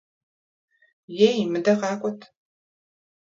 Ей, мыдэ къакӏуэт!